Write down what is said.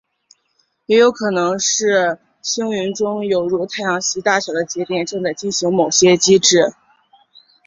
也有可能是星云中有如太阳系大小的节点正在进行某些机制。